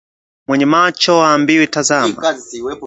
Mwenye macho haambiwi tazama